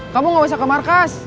kamu gak usah ke markas